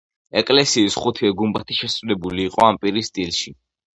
ეკლესიის ხუთივე გუმბათი შერულებული იყო ამპირის სტილში.